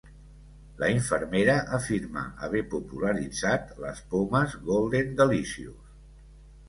La infermera afirma haver popularitzat les pomes Golden Delicious.